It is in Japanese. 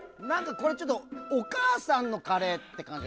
これはちょっとお母さんのカレーって感じ。